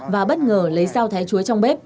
và bất ngờ lấy rau thái chuối trong bếp